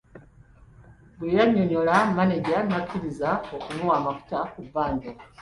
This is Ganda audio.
Bwe yannyonnyola mmaneja n’akkirirza okumuwa amafuta ku bbanja.